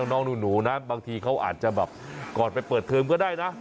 น้องหนูนะบางทีเขาอาจจะแบบก่อนไปเปิดเทอมก็ได้นะ